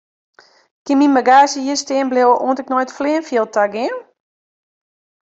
Kin myn bagaazje hjir stean bliuwe oant ik nei it fleanfjild ta gean?